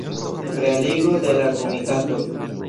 Realigo de la komitato.